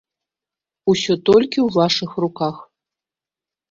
Усё толькі ў вашых руках!